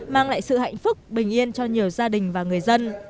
mang lại sự hạnh phúc bình yên cho nhiều gia đình và người dân